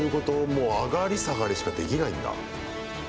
もう上がり下がりしかできないんだ。